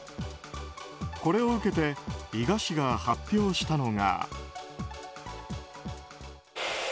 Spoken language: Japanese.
これを受けて伊賀市が発表したのが。